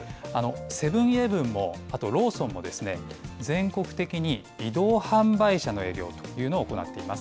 セブンーイレブンも、あとローソンも、全国的に移動販売車の営業というのを行っています。